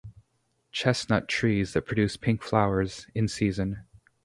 Chestnut trees that produce pink flowers, in season.